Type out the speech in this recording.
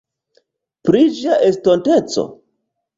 Pri Ĝia estonteco?